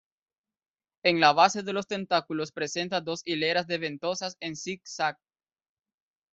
En la base de los tentáculos presenta dos hileras de ventosas en zig-zag.